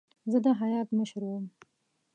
زه د هیات مشر وم.